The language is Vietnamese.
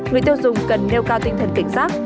người tiêu dùng cần nêu cao tinh thần cảnh giác